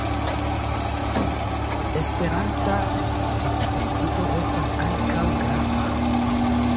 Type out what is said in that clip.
Esperanta vikipedio estas ankaŭ grava.